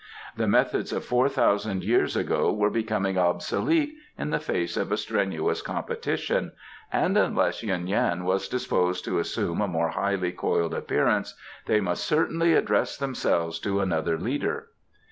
The methods of four thousand years ago were becoming obsolete in the face of a strenuous competition, and unless Yuen Yan was disposed to assume a more highly coiled appearance they must certainly address themselves to another leader.